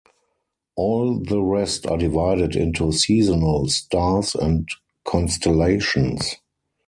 All the rest are divided into seasonal stars and constellations.